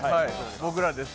僕らです。